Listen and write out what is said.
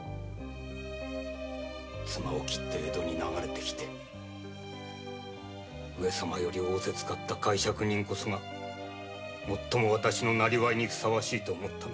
妻を切って江戸に流れて来て上様より仰せつかった介錯人こそが最も私のなりわいにふさわしいと思った。